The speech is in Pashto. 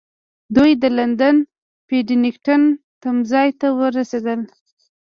دوی د لندن پډینګټن تمځای ته ورسېدل.